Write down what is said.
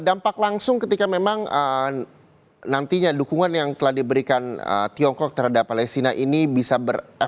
dampak langsung ketika memang nantinya dukungan yang telah diberikan tiongkok terhadap palestina ini bisa berhasil